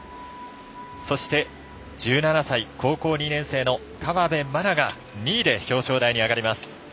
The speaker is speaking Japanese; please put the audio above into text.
そして１７歳、高校２年生の河辺愛菜が２位で表彰台に上がります。